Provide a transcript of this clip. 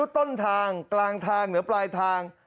ต้นทางกลางทางเหนือปลายทาง